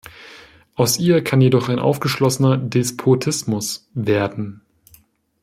Aus ihr kann jedoch ein aufgeschlossener Despotismus werden.